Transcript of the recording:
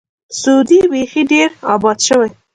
سعودي بیخي ډېر آباد شوی.